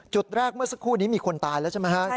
จุดแรกเมื่อสักครู่นี้มีคนตายแล้วใช่ไหมฮะ